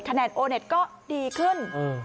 แนนโอเน็ตก็ดีขึ้น